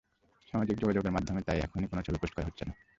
সামাজিক যোগাযোগের মাধ্যমে তাই এখনই কোনো ছবি পোস্ট করা হচ্ছে না।